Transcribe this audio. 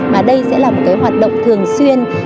mà đây sẽ là một hoạt động thường xuyên